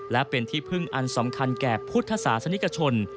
และเป็นที่พึ่งอันสำคัญแก่พุทธศาสนิกชน